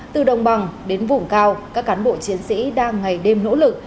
từ đồng bằng đến vùng cao các cán bộ chiến sĩ đang ngày đêm nỗ lực